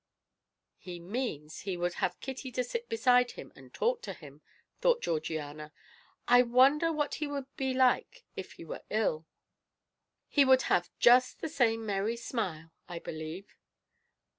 "He means he would have Kitty to sit beside him and talk to him," thought Georgiana. "I wonder what he would be like if he were ill? He would have just the same merry smile, I believe."